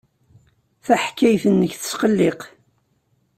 Taḥkayt-nnek tesqelliq.